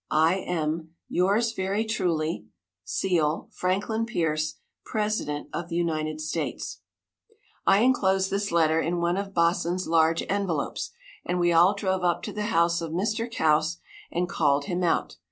I am, "Yours very truly, (Seal) "FRANKLIN PIERCE, "President of the United States of America." I inclosed this letter in one of Baasen's large envelopes, and we all drove up to the house of Mr. Kouse, and called him out.